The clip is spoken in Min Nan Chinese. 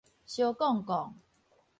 燒絳絳